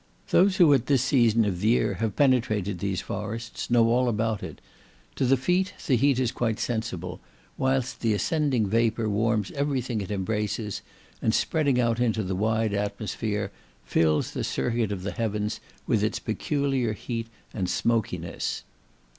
Those who at this season of the year have penetrated these forests, know all about it. To the feet the heat is quite sensible, whilst the ascending vapour warms every thing it embraces, and spreading out into the wide atmosphere, fills the circuit of the heavens with its peculiar heat and smokiness."